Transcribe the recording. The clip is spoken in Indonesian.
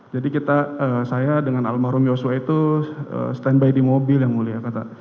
jadi saya dengan almarhum yosua itu stand by di mobil yang mulia